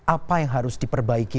apa yang harus diperbaiki